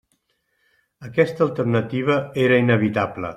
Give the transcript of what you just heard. Aquesta alternativa era inevitable.